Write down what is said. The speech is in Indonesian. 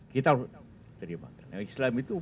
kita harus terima islam itu